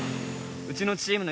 うちのチームの